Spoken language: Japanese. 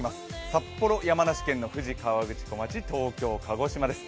札幌、山梨県の富士河口湖町、鹿児島市です。